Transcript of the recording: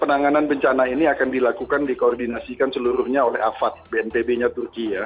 penanganan bencana ini akan dilakukan dikoordinasikan seluruhnya oleh afad bnpb nya turki ya